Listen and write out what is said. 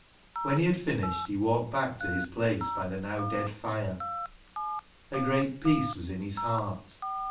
When he had finished he walked back to his place by the now dead fire. A great peace was in his heart.